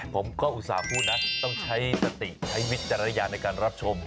ผมก็อุตส่าห์พูดนะต้องใช้สติใช้วิจารณญาณในการรับชม